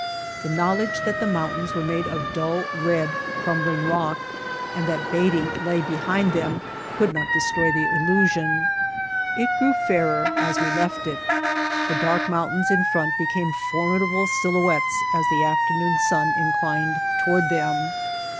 The knowledge that the mountains were made of dull red, crumbling rock, and that only Beatty lay behind them could not destroy the illusion. It grew fairer as we left it. The dark mountains in front became formidable silhouettes as the afternoon sun inclined toward them.